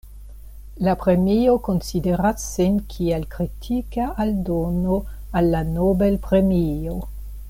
La premio konsideras sin kiel kritika aldono al la Nobel-premio.